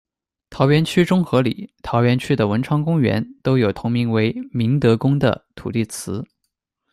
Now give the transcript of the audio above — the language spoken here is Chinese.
桃园区中和里、桃园区的文昌公园都有同名为「明德宫」的土地祠。